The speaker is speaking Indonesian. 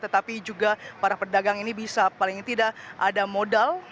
tetapi juga para pedagang ini bisa paling tidak ada modal